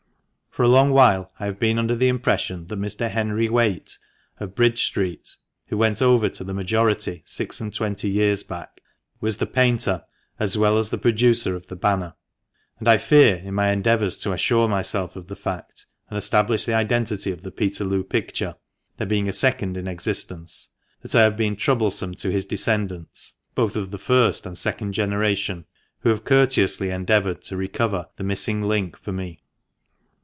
For a long while I have been under the impression that Mr. Henry Whaite, of Bridge Street (who went over to the majority six and twenty years back), was the painter, as well as the producer of the banner. And I fear, in my endeavours to assure myself of the fact and establish the identity of the Peterloo picture (there being a second in existence), that I have been troublesome to his descendants, both of the first and second generation, who have courteously FINAL APPENDIX. 477 endeavoured to recover " the missing link " for me.